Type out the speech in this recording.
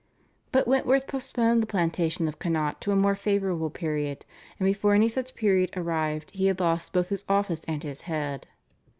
But Wentworth postponed the plantation of Connaught to a more favourable period, and before any such period arrived he had lost both his office and his head.